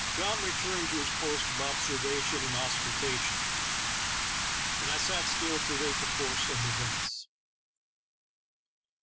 John returned to his post of observation and auscultation, and I sat still to wait the course of events.